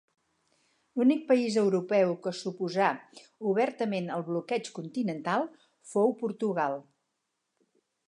L'únic país europeu que s'oposà obertament al Bloqueig Continental fou Portugal.